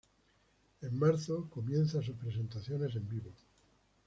En marzo comienzan sus presentaciones en vivo.